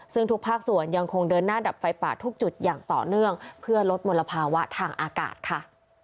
ซึ่งทุกภาคส่วนยังคงเดินหน้าดับไฟป่าทุกจุดอย่างต่อเนื่องเพื่อลดมลภาวะทางอากาศค่ะ